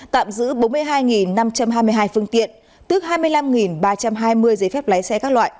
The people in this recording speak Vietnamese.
tạm giữ bốn mươi hai năm trăm hai mươi hai phương tiện tức hai mươi năm ba trăm hai mươi giấy phép lái xe các loại